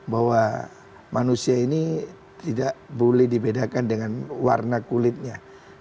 bahwa manusia ini tidak boleh dibedakan dengan warna kulitnya